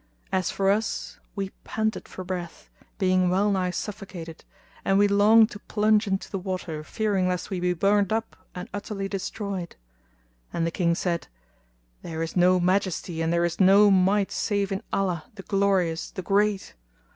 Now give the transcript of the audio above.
As for us we panted for breath, being well nigh suffocated, and we longed to plunge into the water fearing lest we be burnt up and utterly destroyed; and the King said, There is no Majesty and there is no Might save in Allah the Glorious, the Great!